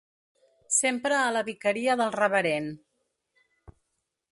Sempre a la vicaria del reverend.